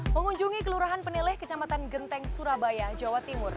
mengunjungi kelurahan peneleh kecamatan genteng surabaya jawa timur